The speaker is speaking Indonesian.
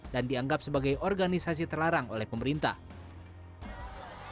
dan dianggap sebagai perhubungan